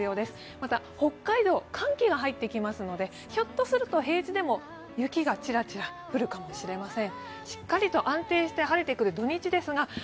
また北海道、寒気が入ってきますので、ひょっとすると平地でも雪がちらちら降るかもしれません。